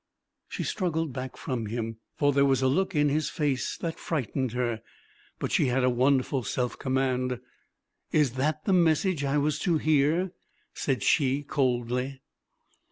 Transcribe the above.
She struggled back from him, for there was a look in his face that frightened her. But she had a wonderful self command. "Is that the message I was to hear?" said she, coldly.